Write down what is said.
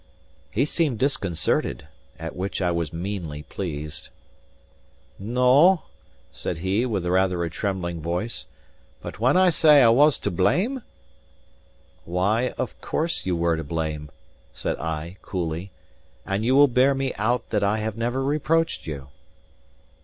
He seemed disconcerted; at which I was meanly pleased. "No," said he, with rather a trembling voice, "but when I say I was to blame?" "Why, of course, ye were to blame," said I, coolly; "and you will bear me out that I have never reproached you."